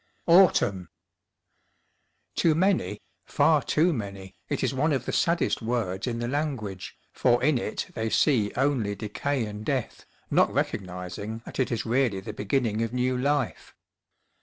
Autumn ! To many, far too many, it is one of the saddest words in the language, for in it they see only decay and death, not recognising that it is really the beginning of new life.